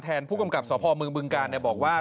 แทนผู้กำกับสพมบึงการบอกว่า